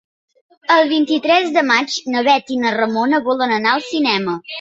El vint-i-tres de maig na Bet i na Ramona volen anar al cinema.